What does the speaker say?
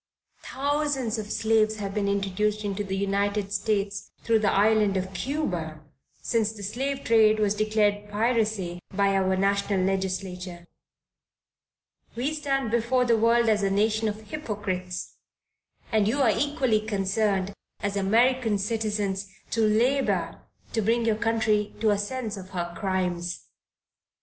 Thousands of slaves have been introduced into the United States through the island of Cuba, since the slave trade was declared piracy by our national legislature. We stand before the world as a nation of hypocrites, and you are equally concerned, as American citizens, to labor to bring your country to a sense of her crimes.